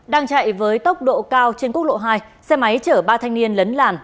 đang chạy với tốc độ cao trên quốc lộ hai xe máy chở ba thanh niên lấn làn